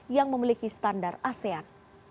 yang memiliki standar asean